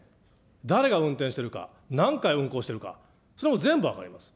誰が運転しているか、何回運行してるか、それも全部分かります。